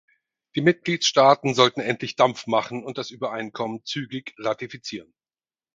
Die Mitgliedstaaten sollten endlich Dampf machen und das Übereinkommen zügig ratifizieren.